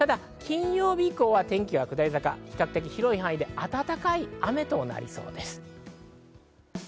金曜日以降は天気が下り坂、広い範囲で暖かい雨となりそうです。